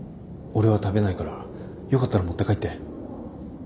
俺は食べないからよかったら持って帰って。